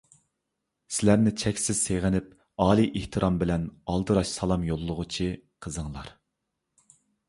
سىلەرنى چەكسىز سېغىنىپ، ئالىي ئېھتىرام بىلەن ئالدىراش سالام يوللىغۇچى: قىزىڭلار.